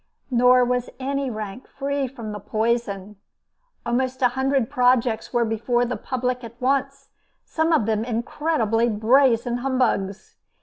Nor was any rank free from the poison. Almost a hundred projects were before the public at once, some of them incredibly brazen humbugs.